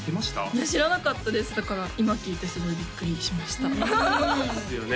いや知らなかったですだから今聞いてすごいビックリしましたですよね